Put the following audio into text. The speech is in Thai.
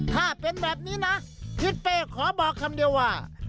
ถ้าเป็นแบบนี้นะทิศเป้ขอบอกคำเดียวว่า